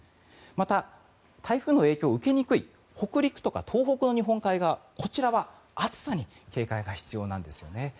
また、台風の影響を受けにくい東北や北陸の日本海側こちらは暑さに警戒が必要なんですよね。